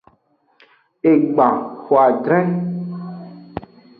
Egban hoadre.